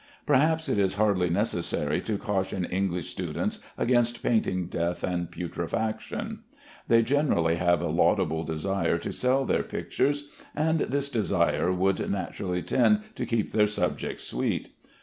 Perhaps it is hardly necessary to caution English students against painting death and putrefaction. They generally have a laudable desire to sell their pictures, and this desire would naturally tend to keep their subjects sweet.